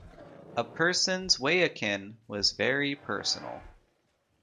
A person's weyekin was very personal.